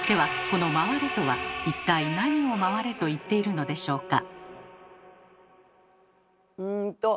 この「回れ」とは一体なにを回れと言っているのでしょうか？